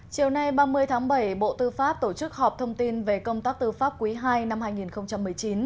chiều nay ba mươi tháng bảy bộ tư pháp tổ chức họp thông tin về công tác tư pháp quý ii năm hai nghìn một mươi chín